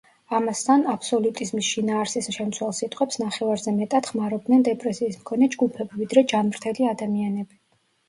ამასთან, აბსოლუტიზმის შინაარსის შემცველ სიტყვებს ნახევარზე მეტად ხმარობდნენ დეპრესიის მქონე ჯგუფები, ვიდრე ჯანმრთელი ადამიანები.